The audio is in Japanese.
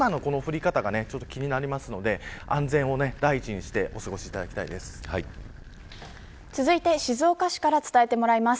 この降り方が気になりますので安全を第一にして続いて静岡市から伝えてもらいます。